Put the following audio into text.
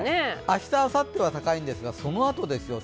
明日、あさっては高いんですが、そのあとですよ。